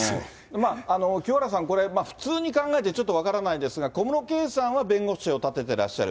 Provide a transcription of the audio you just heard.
まあ、清原さん、これ、普通に考えて、ちょっと分からないですが、小室圭さんは弁護士を立ててらっしゃる。